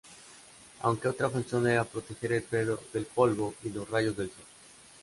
Aunque otra función era proteger el pelo del polvo y los rayos del sol.